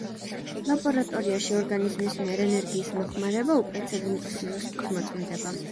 ლაბორატორიაში ორგანიზმის მიერ ენერგიის მოხმარება უპრეცედენტო სიზუსტით მოწმდება.